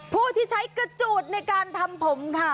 ผู้ที่ใช้กระจูดในการทำผมค่ะ